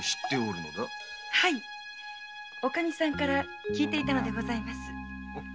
女将さんから聞いていたのでございます。